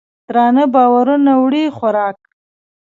درانه بارونه وړي خوراک